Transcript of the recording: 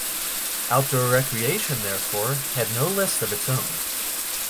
Outdoor Recreation therefore had no list of its own.